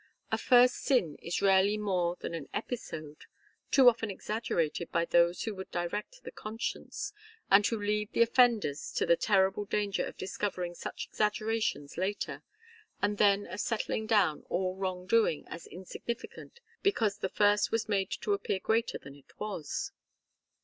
A first sin is rarely more than an episode, too often exaggerated by those who would direct the conscience, and who leave the offenders to the terrible danger of discovering such exaggerations later, and then of setting down all wrong doing as insignificant because the first was made to appear greater than it was.